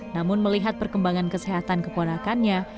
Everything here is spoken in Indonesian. namun melihat perkembangan kesehatan keponakannya